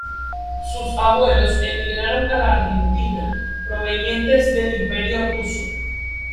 Sus abuelos emigraron a la Argentina provenientes del Imperio ruso.